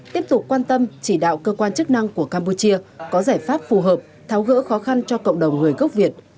tiếp tục quan tâm chỉ đạo cơ quan chức năng của campuchia có giải pháp phù hợp tháo gỡ khó khăn cho cộng đồng người gốc việt